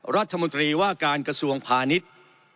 รัฐมนตรีว่าการกระทรวงพาณิชย์